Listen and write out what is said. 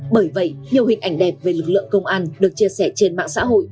bởi vậy nhiều hình ảnh đẹp về lực lượng công an được chia sẻ trên mạng xã hội